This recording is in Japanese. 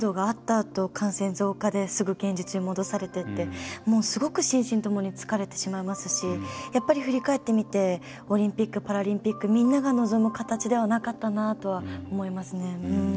あと感染増加ですぐ現実に戻されてってすごく心身ともに疲れてしまいますしやっぱり振り返ってみてオリンピック・パラリンピックみんなが望む形ではなかったなとは思いますね。